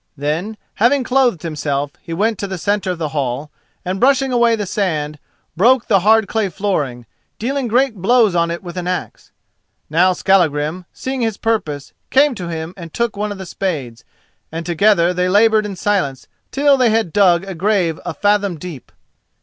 Then, having clothed himself, he went to the centre of the hall, and, brushing away the sand, broke the hard clay flooring, dealing great blows on it with an axe. Now Skallagrim, seeing his purpose, came to him and took one of the spades, and together they laboured in silence till they had dug a grave a fathom deep.